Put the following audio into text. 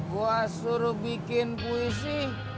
gua suruh bikin puisi